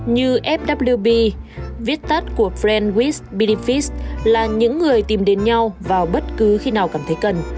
như fwb viết tắt của friend with benefits là những người tìm đến nhau vào bất cứ khi nào cảm thấy cần